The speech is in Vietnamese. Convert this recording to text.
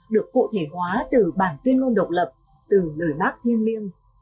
được cụ thể hóa từ bản tuyên ngôn độc lập từ lời bác thiên liêng